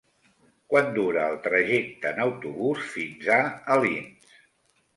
Quant dura el trajecte en autobús fins a Alins?